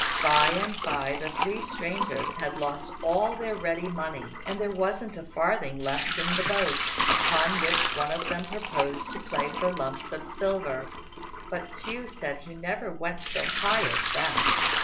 By and by the three strangers had lost all their ready money, and there wasn't a farthing left in the boat: upon which one of them proposed to play for lumps of silver, but Hsiu said he never went so high as that.